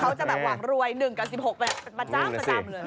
เขาจะแบบหวังรวย๑กับ๑๖แบบเป็นประจำเลย